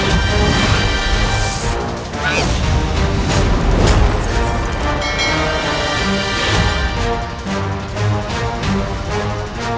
masa itu kekis